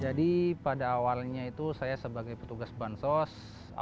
jadi pada awalnya itu saya sebagai petugas bantuan sosial